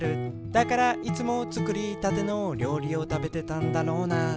「だからいつもつくりたてのりょうりをたべてたんだろうな」